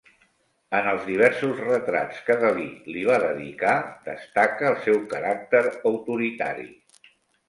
En els diversos retrats que Dalí li va dedicar, destaca el seu caràcter autoritari.